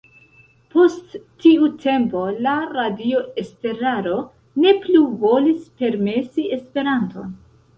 Post tiu tempo la radio-estraro ne plu volis permesi Esperanton.